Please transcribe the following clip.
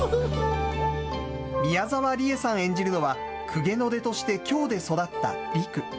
宮沢りえさん演じるのは、公家の出として京で育ったりく。